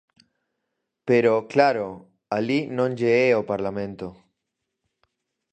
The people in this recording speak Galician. Pero, claro, alí non lle é o Parlamento.